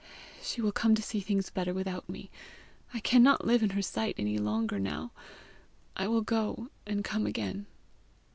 She will come to see things better without me! I cannot live in her sight any longer now! I will go, and come again."